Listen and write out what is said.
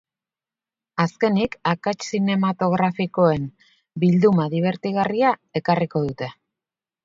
Azkenik, akats zinematografikoen bilduma dibertigarria ekarriko dute.